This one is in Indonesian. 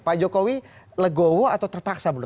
pak jokowi legowo atau tertaksa belum